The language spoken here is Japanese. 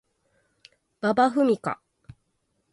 馬場ふみか